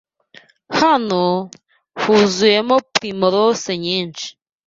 Hano, huzuyemo primorose nyinshi